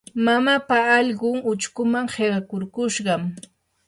mamaapa allqun uchkuman qiqakurkushqam.